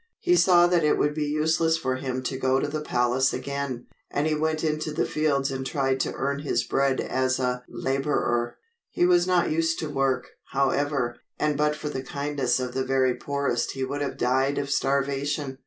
He saw that it would be useless for him to go to the palace again, and he went into the fields and tried to earn his bread as a laborer. He was not used to work, however, and but for the kindness of the very poorest he would have died of starvation.